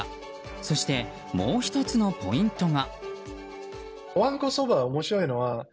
そしてもう１つのポイントが。